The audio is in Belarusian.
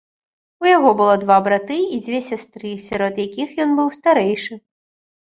У яго было два браты і дзве сястры, сярод якіх ён быў старэйшы.